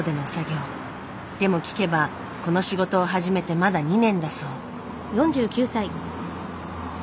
でも聞けばこの仕事を始めてまだ２年だそう。